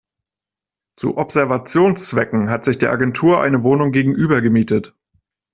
Zu Observationszwecken hat sich die Agentur eine Wohnung gegenüber gemietet.